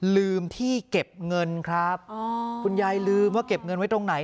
ลืมที่เก็บเงินครับคุณยายลืมว่าเก็บเงินไว้ตรงไหน